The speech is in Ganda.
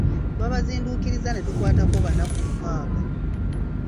Twabazinduukirizza netukwatako bana ku mukaaga.